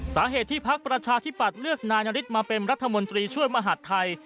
สาเหตุที่พักประชาธิปัตย์เลือกนายนฤทธิมาเป็นรัฐมนตรีช่วยมหาดไทย